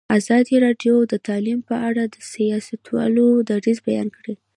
ازادي راډیو د تعلیم په اړه د سیاستوالو دریځ بیان کړی.